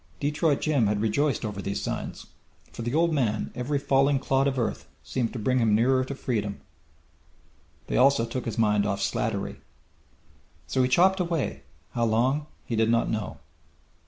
Detroit Jim had rejoiced over these signs. For the old man every falling clod of earth seemed to bring him nearer to freedom. They also took his mind off Slattery. So he chopped away, how long he did not know.